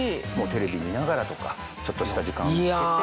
テレビ見ながらとかちょっとした時間見つけて。